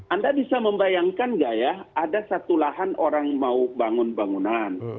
anda bisa membayangkan nggak ya ada satu lahan orang mau bangun bangunan